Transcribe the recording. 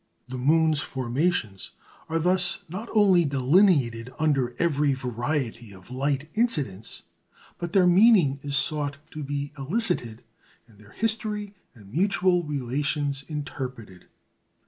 The moon's formations are thus not only delineated under every variety of light incidence, but their meaning is sought to be elicited, and their history and mutual relations interpreted.